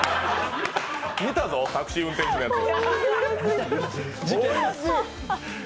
見たぞ、タクシー運転手のやつ！